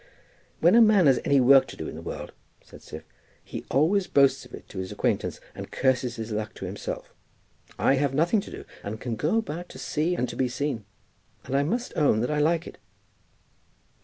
"When a man has any work to do in the world," said Siph, "he always boasts of it to his acquaintance, and curses his luck to himself. I have nothing to do and can go about to see and to be seen; and I must own that I like it."